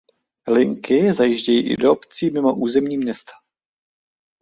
Linky zajíždějí i do obcí mimo území města.